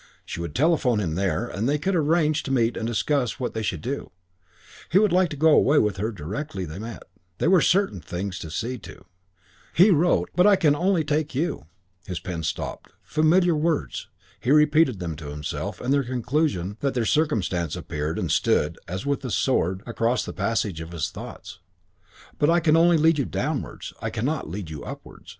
She would telephone to him there and they could arrange to meet and discuss what they should do.... He would like to go away with her directly they met, but there were certain things to see to. He wrote, "But I can only take you " His pen stopped. Familiar words! He repeated them to himself, and their conclusion and their circumstance appeared and stood, as with a sword, across the passage of his thoughts. "But I can only lead you downwards. I cannot lead you upwards